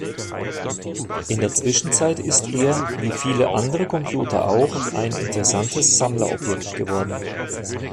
In der Zwischenzeit ist er, wie viele andere Computer auch, ein interessantes Sammlerobjekt geworden.